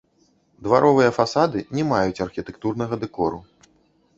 Дваровыя фасады не маюць архітэктурнага дэкору.